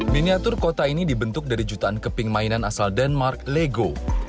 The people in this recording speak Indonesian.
miniatur kota ini dibentuk dari jutaan keping mainan asal denmark lego